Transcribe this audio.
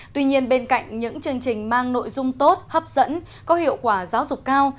tuy nhiên bên cạnh những chương trình mang nội dung tốt hấp dẫn có hiệu quả giáo dục cao